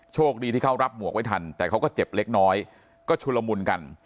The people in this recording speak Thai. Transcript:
โชคดีที่เขารับหมวกไว้ทันแต่เขาก็เจ็บเล็กน้อยก็ชุลมุนกัน